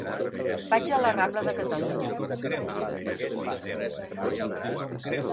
Vaig a la rambla de Catalunya.